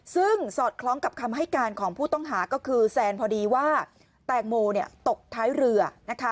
ซึ่งสอดคล้องกับคำให้การของผู้ต้องหาก็คือแซนพอดีว่าแตงโมตกท้ายเรือนะคะ